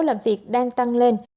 làm việc đang tăng lên